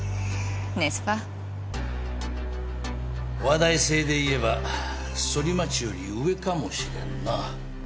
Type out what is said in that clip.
話題性でいえばソリマチより上かもしれんな。